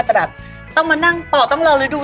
แต่แบบต้องมานั่งเปาะต้องเลาเร็วดู